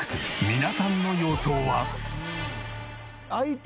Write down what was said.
皆さんの予想は？